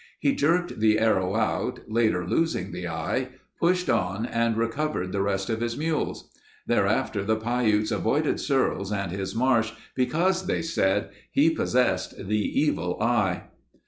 He jerked the arrow out, later losing the eye, pushed on and recovered the rest of his mules. Thereafter the Piutes avoided Searles and his marsh because, they said, he possessed the "evil eye."